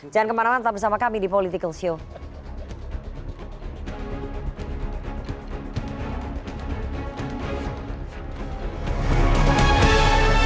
jangan kemarauan tetap bersama kami di politikalshow